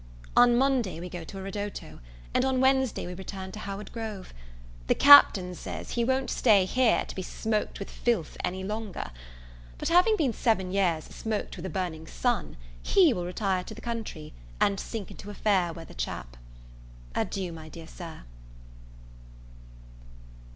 On Monday we go to a ridotto, and on Wednesday we return to Howard Grove. The Captain says he won't stay here to be smoked with filth any longer; but, having been seven years smoked with a burning sun, he will retire to the country, and sink into a fair weather chap. Adieu, my dear Sir.